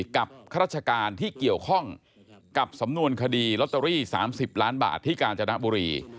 ข้าราชการที่เกี่ยวข้องกับสำนวนคดีลอตเตอรี่๓๐ล้านบาทที่กาญจนบุรี